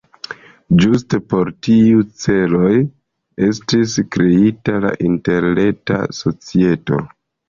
Ĝuste por tiuj celoj estis kreita la Interreta Societo.